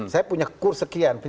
saya punya kurs sekian